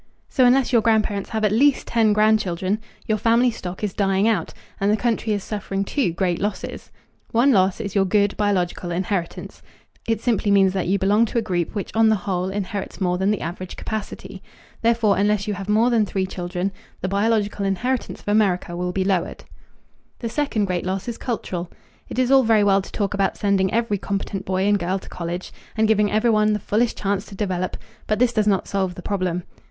So unless your grandparents have at least ten grandchildren, your family stock is dying out, and the country is suffering two great losses. One loss is your good biological inheritance. This does not mean that you are anything wonderful. It simply means that you belong to a group which on the whole inherits more than the average capacity. Therefore, unless you have more than three children, the biological inheritance of America will be lowered. The second great loss is cultural. It is all very well to talk about sending every competent boy and girl to college, and giving every one the fullest chance to develop, but this does not solve the problem.